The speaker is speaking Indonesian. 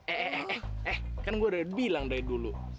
eh kan gua udah bilang dari dulu